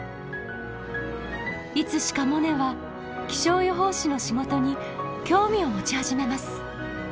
いつしかモネは気象予報士の仕事に興味を持ち始めます。